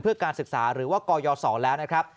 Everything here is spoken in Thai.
เพื่อการศึกษาหรือว่ากยศแล้วนะครับ